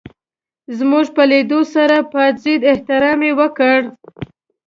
زموږ په لېدو سره پاڅېد احترام یې وکړ.